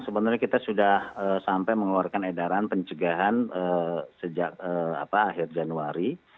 sebenarnya kita sudah sampai mengeluarkan edaran pencegahan sejak akhir januari